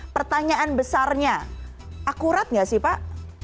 pertanyaan besarnya akurat nggak sih pak